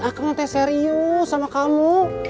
akang t serius sama kamu